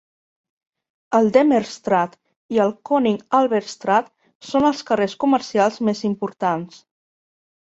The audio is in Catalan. El Demerstraat i el Koning Albertstraat són els carrers comercials més importants.